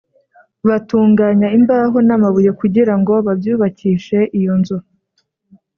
batunganya imbaho n’amabuye kugira ngo babyubakishe iyo nzu